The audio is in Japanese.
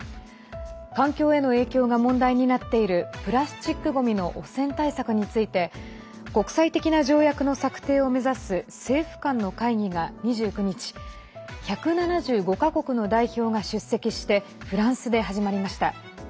環境への影響が問題になっているプラスチックごみの汚染対策について国際的な条約の策定を目指す政府間の会議が２９日１７５か国の代表が出席してフランスで始まりました。